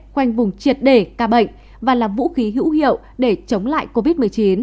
khoanh vùng triệt đề ca bệnh và là vũ khí hữu hiệu để chống lại covid một mươi chín